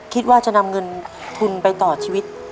คิดว่าจะนำเงินทุนไปต่อชีวิต